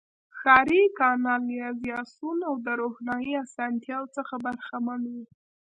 ښاري کانالیزاسیون او د روښنايي اسانتیاوو څخه برخمن وو.